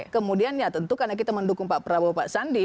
kemudian ya tentu karena kita mendukung pak prabowo pak sandi